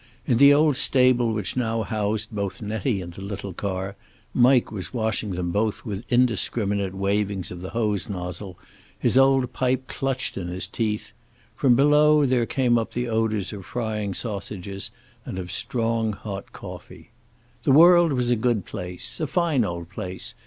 In the old stable which now housed both Nettie and the little car Mike was washing them both with indiscriminate wavings of the hose nozzle, his old pipe clutched in his teeth. From below there came up the odors of frying sausages and of strong hot coffee. The world was a good place. A fine old place.